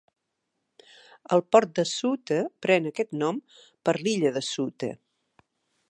El port de Shute pren aquest nom per l'illa de Shute.